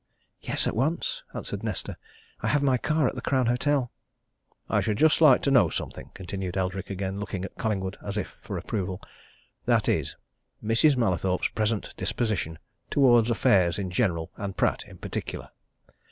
"Yes, at once," answered Nesta. "I have my car at the Crown Hotel." "I should just like to know something," continued Eldrick again, looking at Collingwood as if for approval. "That is Mrs. Mallathorpe's present disposition towards affairs in general and Pratt in particular.